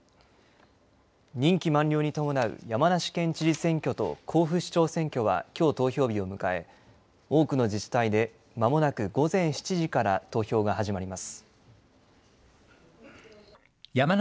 任期満了に伴う山梨県知事選挙と甲府市長選挙はきょう投票日を迎え、多くの自治体でまもなく午前７時から投票が始まります。